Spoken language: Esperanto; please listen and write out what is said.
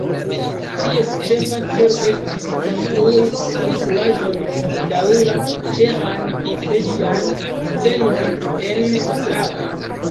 Ties ĉefa celo estis konstrui konstruaĵon por daŭra ĉeĥan profesian scenon en Ostrava.